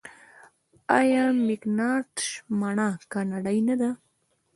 آیا مکینټاش مڼه کاناډايي نه ده؟